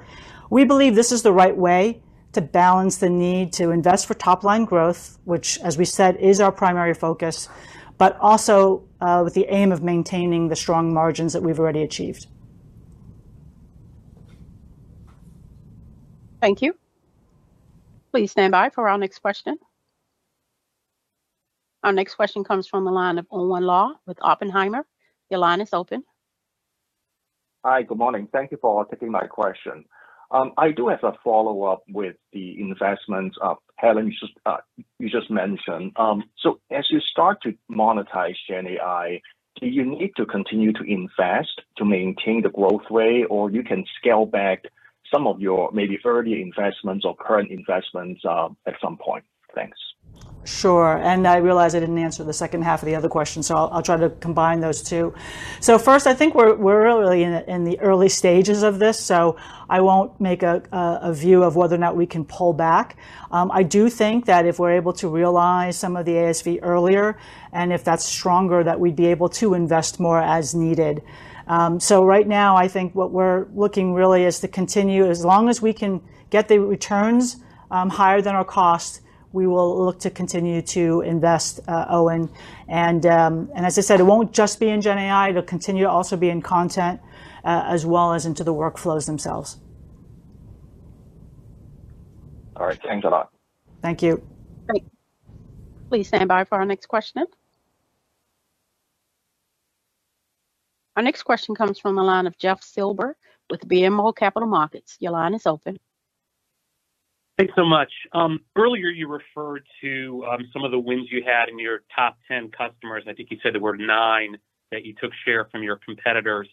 we believe this is the right way to balance the need to invest for top line growth, which, as we said, is our primary focus, but also with the aim of maintaining the strong margins that we've already achieved. Thank you. Please stand by for our next question. Our next question comes from the line of Owen Lau with Oppenheimer. Your line is open. Hi, good morning. Thank you for taking my question. I do have a follow-up with the investments of Helen you just mentioned. So as you start to monetize GenAI, do you need to continue to invest to maintain the growth way, or you can scale back some of your maybe early investments or current investments at some point? Thanks. Sure. And I realize I didn't answer the second half of the other question, so I'll try to combine those two. So first, I think we're really in the early stages of this, so I won't make a view of whether or not we can pull back. I do think that if we're able to realize some of the ASV earlier, and if that's stronger, that we'd be able to invest more as needed. So right now, I think what we're looking really is to continue, as long as we can get the returns higher than our cost, we will look to continue to invest, Owen. And as I said, it won't just be in GenAI, it'll continue to also be in content, as well as into the workflows themselves. All right. Thanks a lot. Thank you. Great. Please stand by for our next question. Our next question comes from the line of Jeff Silber with BMO Capital Markets. Your line is open. Thanks so much. Earlier, you referred to some of the wins you had in your top ten customers. I think you said the word nine, that you took share from your competitors.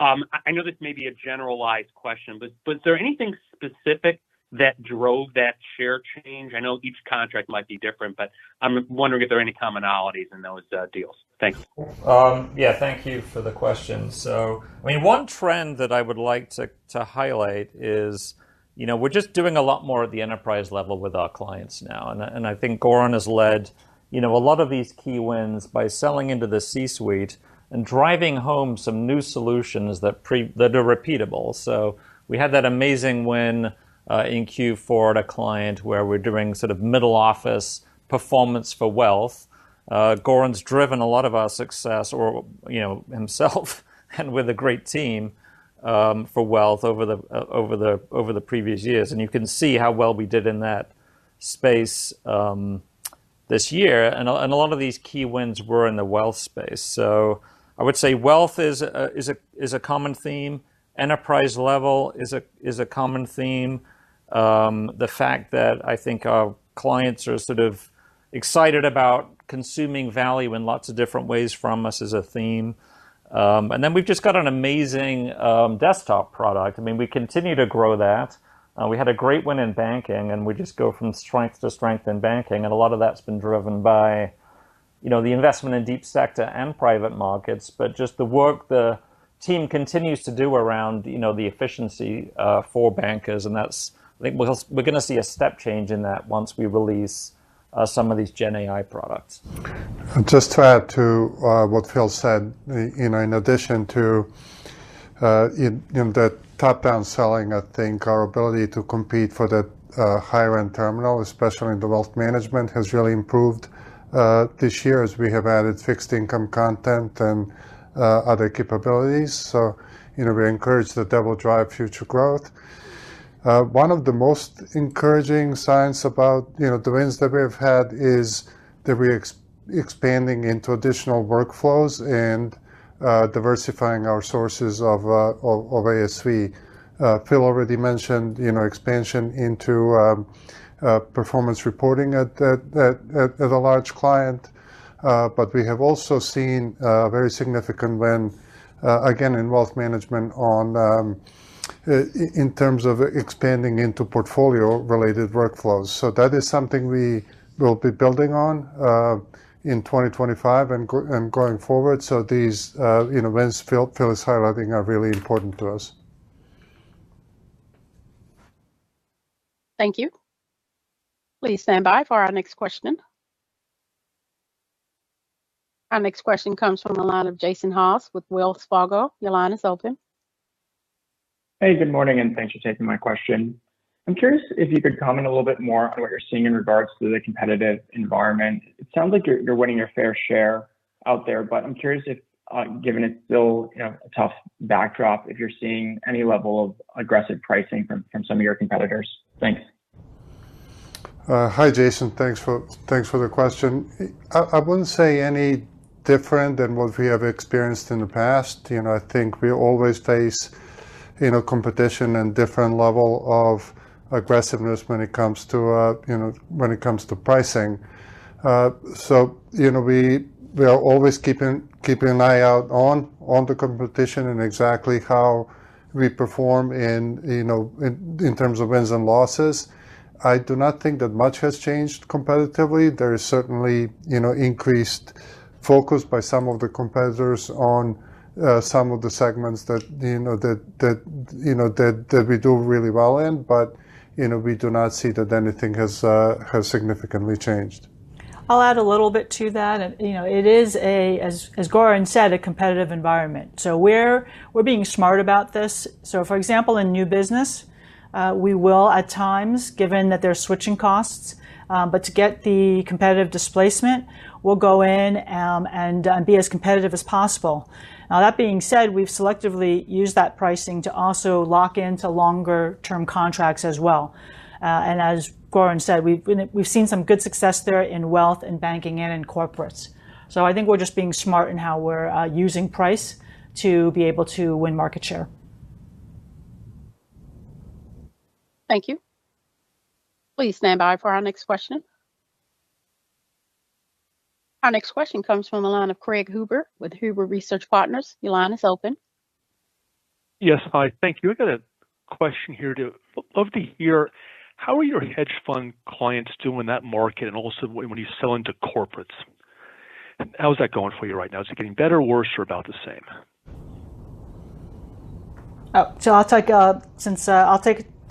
I know this may be a generalized question, but was there anything specific that drove that share change? I know each contract might be different, but I'm wondering if there are any commonalities in those deals. Thanks. Yeah, thank you for the question. So, I mean, one trend that I would like to highlight is, you know, we're just doing a lot more at the enterprise level with our clients now, and I, and I think Goran has led, you know, a lot of these key wins by selling into the C-suite and driving home some new solutions that are repeatable. So we had that amazing win in Q4 at a client where we're doing sort of middle office performance for wealth. Goran's driven a lot of our success or, you know, himself, and with a great team for wealth over the previous years, and you can see how well we did in that space this year. And a lot of these key wins were in the wealth space. I would say wealth is a common theme. Enterprise level is a common theme. The fact that I think our clients are sort of- ...excited about consuming value in lots of different ways from us as a theme. And then we've just got an amazing desktop product. I mean, we continue to grow that. We had a great win in banking, and we just go from strength to strength in banking, and a lot of that's been driven by, you know, the investment in deep sector and private markets. But just the work the team continues to do around, you know, the efficiency for bankers, and that's. I think we're gonna see a step change in that once we release some of these Gen AI products. Just to add to what Phil said, you know, in addition to in the top-down selling, I think our ability to compete for that higher-end terminal, especially in the wealth management, has really improved this year as we have added fixed income content and other capabilities. So, you know, we're encouraged that that will drive future growth. One of the most encouraging signs about, you know, the wins that we have had is that we're expanding into additional workflows and diversifying our sources of of ASV. Phil already mentioned, you know, expansion into performance reporting at a large client. But we have also seen a very significant win, again, in wealth management on in terms of expanding into portfolio-related workflows. So that is something we will be building on in 2025 and going forward. So these, you know, wins Phil is highlighting are really important to us. Thank you. Please stand by for our next question. Our next question comes from the line of Jason Haas with Wells Fargo. Your line is open. Hey, good morning, and thanks for taking my question. I'm curious if you could comment a little bit more on what you're seeing in regards to the competitive environment. It sounds like you're winning your fair share out there, but I'm curious if, given it's still, you know, a tough backdrop, if you're seeing any level of aggressive pricing from some of your competitors. Thanks. Hi, Jason. Thanks for the question. I wouldn't say any different than what we have experienced in the past. You know, I think we always face, you know, competition and different level of aggressiveness when it comes to, you know, when it comes to pricing. So, you know, we are always keeping an eye out on the competition and exactly how we perform in, you know, in terms of wins and losses. I do not think that much has changed competitively. There is certainly, you know, increased focus by some of the competitors on some of the segments that, you know, that we do really well in, but, you know, we do not see that anything has significantly changed. I'll add a little bit to that. You know, it is, as Goran said, a competitive environment, so we're being smart about this. For example, in new business, we will at times, given that there are switching costs, but to get the competitive displacement, we'll go in and be as competitive as possible. Now, that being said, we've selectively used that pricing to also lock into longer-term contracts as well. As Goran said, we've seen some good success there in wealth, and banking, and in corporates. I think we're just being smart in how we're using price to be able to win market share. Thank you. Please stand by for our next question. Our next question comes from the line of Craig Huber with Huber Research Partners. Your line is open. Yes. Hi, thank you. I got a question here. I'd love to hear, how are your hedge fund clients doing in that market and also when you sell into corporates? And how is that going for you right now? Is it getting better, worse, or about the same? Oh, so I'll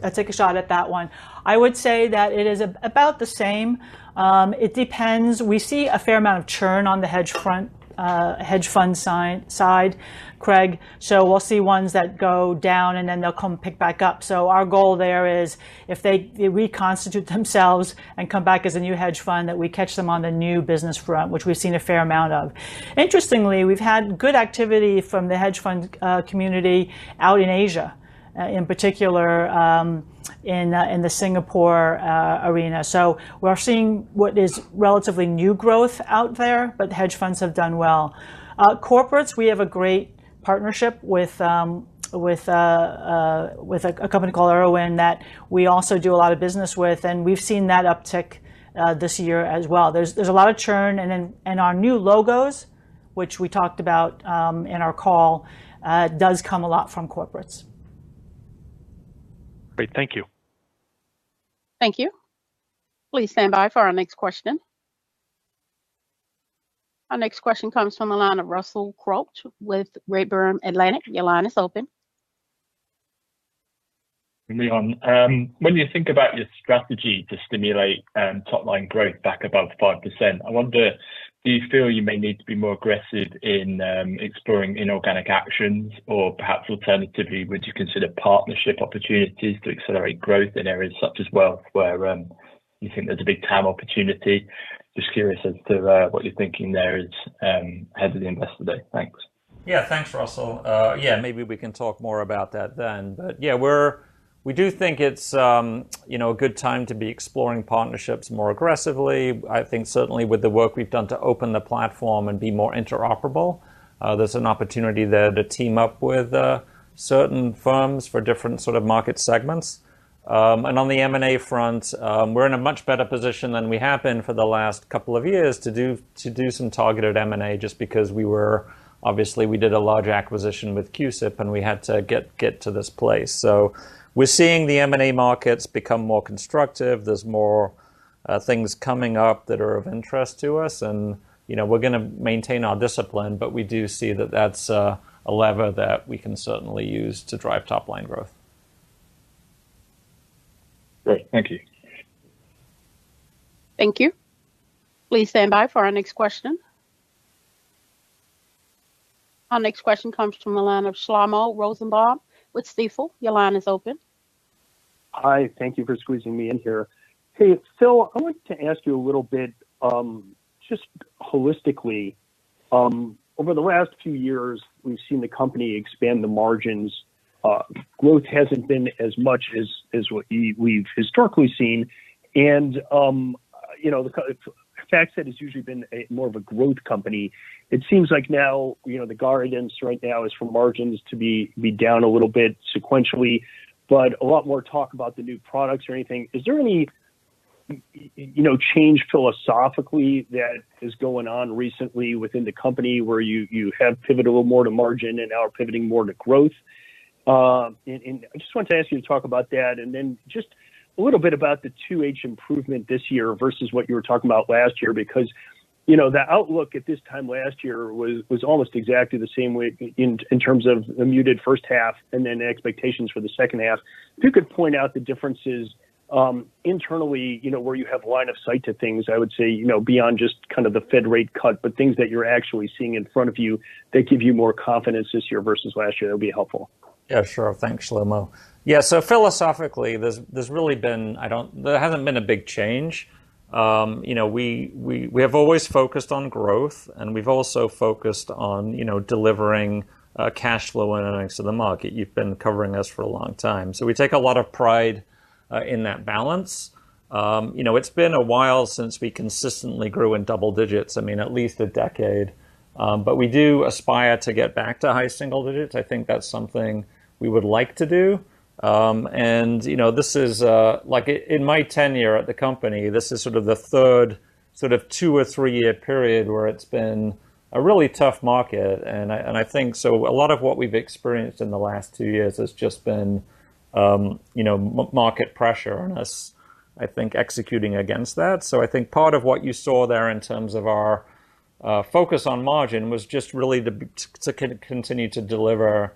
take a shot at that one. I would say that it is about the same. It depends. We see a fair amount of churn on the hedge fund side, Craig, so we'll see ones that go down, and then they'll come pick back up. So our goal there is if they reconstitute themselves and come back as a new hedge fund, that we catch them on the new business front, which we've seen a fair amount of. Interestingly, we've had good activity from the hedge fund community out in Asia, in particular, in the Singapore arena. So we're seeing what is relatively new growth out there, but hedge funds have done well. Corporates, we have a great partnership with a company called Irwin that we also do a lot of business with, and we've seen that uptick this year as well. There's a lot of churn, and then and our new logos, which we talked about in our call, does come a lot from corporates. Great. Thank you. Thank you. Please stand by for our next question. Our next question comes from the line of Russell Quelch with Redburn Atlantic. Your line is open. Phil, when you think about your strategy to stimulate top-line growth back above 5%, I wonder, do you feel you may need to be more aggressive in exploring inorganic actions? Or perhaps alternatively, would you consider partnership opportunities to accelerate growth in areas such as wealth, where you think there's a big TAM opportunity? Just curious as to what you're thinking there as head of the Investor Day. Thanks. Yeah. Thanks, Russell. Yeah, maybe we can talk more about that then. But yeah, we're- ... We do think it's, you know, a good time to be exploring partnerships more aggressively. I think certainly with the work we've done to open the platform and be more interoperable, there's an opportunity there to team up with, certain firms for different sort of market segments. And on the M&A front, we're in a much better position than we have been for the last couple of years to do some targeted M&A just because we were, obviously, we did a large acquisition with CUSIP, and we had to get to this place. So we're seeing the M&A markets become more constructive. There's more things coming up that are of interest to us, and, you know, we're gonna maintain our discipline, but we do see that that's a lever that we can certainly use to drive top-line growth. Great. Thank you. Thank you. Please stand by for our next question. Our next question comes from the line of Shlomo Rosenbaum with Stifel. Your line is open. Hi, thank you for squeezing me in here. Hey, Phil, I wanted to ask you a little bit, just holistically, over the last few years, we've seen the company expand the margins. Growth hasn't been as much as what we've historically seen, and you know, FactSet has usually been more of a growth company. It seems like now, you know, the guidance right now is for margins to be down a little bit sequentially, but a lot more talk about the new products or anything. Is there any, you know, change philosophically that is going on recently within the company, where you have pivoted a little more to margin and now are pivoting more to growth? I just wanted to ask you to talk about that, and then just a little bit about the 2H improvement this year versus what you were talking about last year. Because, you know, the outlook at this time last year was almost exactly the same way in terms of the muted first half and then the expectations for the second half. If you could point out the differences, internally, you know, where you have line of sight to things, I would say, you know, beyond just kind of the Fed rate cut, but things that you're actually seeing in front of you that give you more confidence this year versus last year, that would be helpful. Yeah, sure. Thanks, Shlomo. Yeah, so philosophically, there's really been. I don't—there hasn't been a big change. You know, we have always focused on growth, and we've also focused on, you know, delivering cash flow and earnings to the market. You've been covering us for a long time. So we take a lot of pride in that balance. You know, it's been a while since we consistently grew in double digits, I mean, at least a decade. But we do aspire to get back to high single digits. I think that's something we would like to do. And you know, this is like in my tenure at the company, this is sort of the third sort of two or three-year period where it's been a really tough market, and I think. So a lot of what we've experienced in the last two years has just been you know, market pressure on us, I think, executing against that. So I think part of what you saw there in terms of our focus on margin was just really to continue to deliver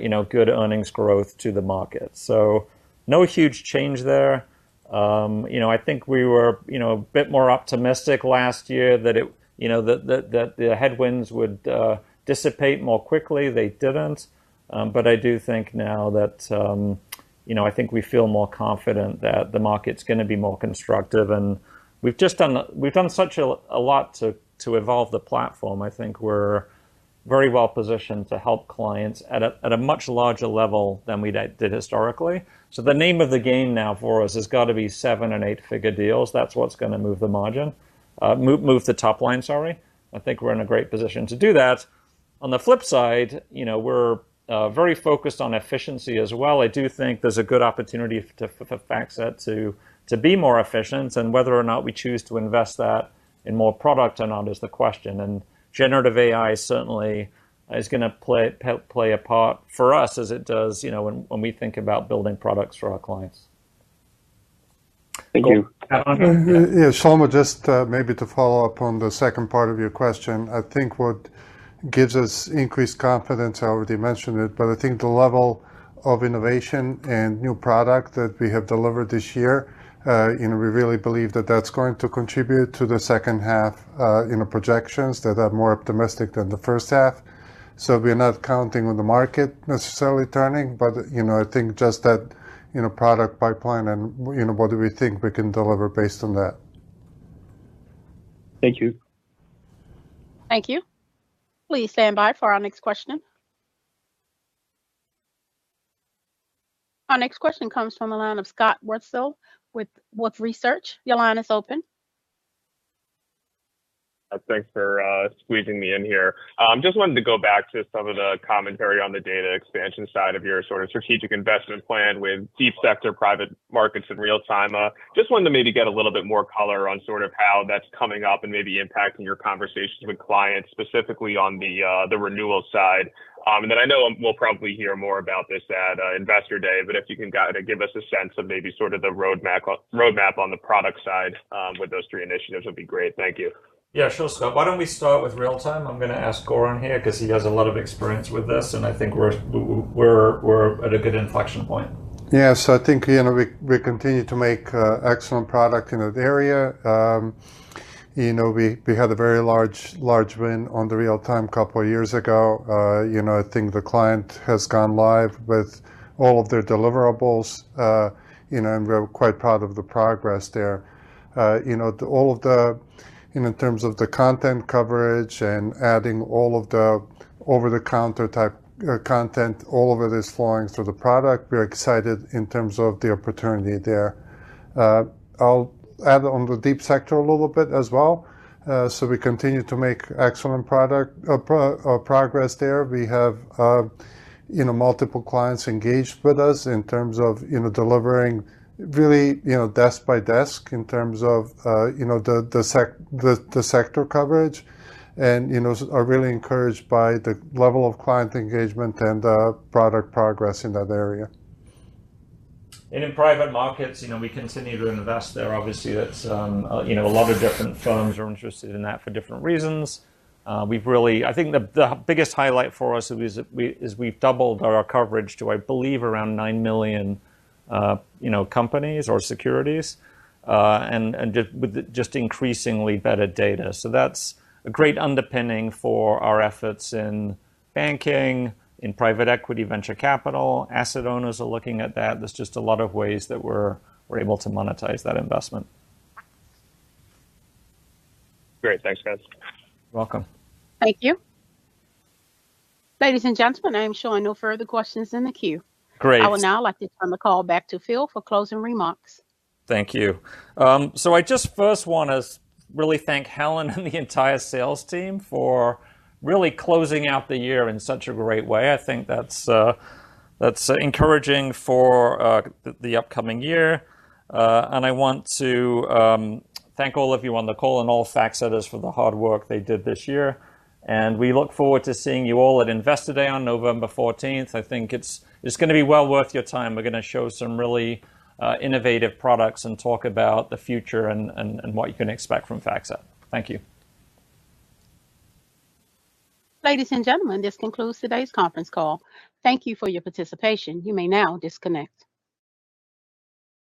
you know, good earnings growth to the market. So no huge change there. You know, I think we were you know, a bit more optimistic last year that it you know, that the headwinds would dissipate more quickly. They didn't. But I do think now that you know I think we feel more confident that the market's gonna be more constructive, and we've just done such a lot to evolve the platform. I think we're very well positioned to help clients at a much larger level than we did historically, so the name of the game now for us has got to be seven and eight-figure deals. That's what's gonna move the margin, move the top line, sorry. I think we're in a great position to do that. On the flip side, you know, we're very focused on efficiency as well. I do think there's a good opportunity for FactSet to be more efficient, and whether or not we choose to invest that in more product or not is the question. Generative AI certainly is gonna play a part for us as it does, you know, when we think about building products for our clients. Thank you. Goran? Yeah, Shlomo, just maybe to follow up on the second part of your question. I think what gives us increased confidence, I already mentioned it, but I think the level of innovation and new product that we have delivered this year, and we really believe that that's going to contribute to the second half, you know, projections that are more optimistic than the first half. So we are not counting on the market necessarily turning, but, you know, I think just that, you know, product pipeline and, you know, what do we think we can deliver based on that. Thank you. Thank you. Please stand by for our next question. Our next question comes from the line of Scott Wurtzel with Wolfe Research. Your line is open. Thanks for squeezing me in here. Just wanted to go back to some of the commentary on the data expansion side of your sort of strategic investment plan with deep sector private markets in real time. Just wanted to maybe get a little bit more color on sort of how that's coming up and maybe impacting your conversations with clients, specifically on the renewal side, and then I know we'll probably hear more about this at Investor Day, but if you can give us a sense of maybe sort of the roadmap on the product side with those three initiatives would be great. Thank you. Yeah, sure, Scott. Why don't we start with real time? I'm gonna ask Goran here because he has a lot of experience with this, and I think we're at a good inflection point. Yeah, so I think, you know, we continue to make excellent product in that area. You know, we had a very large win on the real-time couple of years ago. You know, I think the client has gone live with all of their deliverables. You know, and we're quite proud of the progress there. You know, all of the in terms of the content coverage and adding all of the over-the-counter type content, all of it is flowing through the product. We're excited in terms of the opportunity there. I'll add on the deep sector a little bit as well, so we continue to make excellent product progress there. We have, you know, multiple clients engaged with us in terms of, you know, delivering really, you know, desk by desk in terms of, you know, the sector coverage, and you know, are really encouraged by the level of client engagement and product progress in that area. And in private markets, you know, we continue to invest there. Obviously, that's, you know, a lot of different firms are interested in that for different reasons. We've really. I think the biggest highlight for us is we've doubled our coverage to, I believe, around nine million, you know, companies or securities, and with just increasingly better data. So that's a great underpinning for our efforts in banking, in private equity, venture capital. Asset owners are looking at that. There's just a lot of ways that we're able to monetize that investment. Great. Thanks, guys. You're welcome. Thank you. Ladies and gentlemen, I'm showing no further questions in the queue. Great. I would now like to turn the call back to Phil for closing remarks. Thank you. So I just first want to really thank Helen and the entire sales team for really closing out the year in such a great way. I think that's, that's encouraging for the upcoming year. And I want to thank all of you on the call and all FactSetters for the hard work they did this year, and we look forward to seeing you all at Investor Day on November fourteenth. I think it's, it's gonna be well worth your time. We're gonna show some really innovative products and talk about the future and what you can expect from FactSet. Thank you. Ladies and gentlemen, this concludes today's conference call. Thank you for your participation. You may now disconnect.